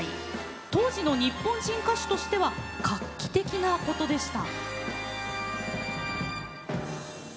当時の日本人歌手としては画期的なことでした。